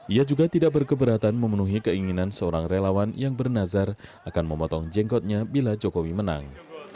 ia juga tidak berkeberatan memenuhi keinginan seorang relawan yang bernazar akan memotong jengkotnya bila jokowi menang